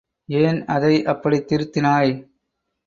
ஏன் அதை அப்படித் திருத்தினாய்?